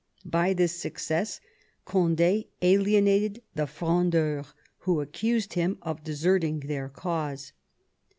By this success Gond6 alienated the Frondeurs, who accused him of deserting their cause.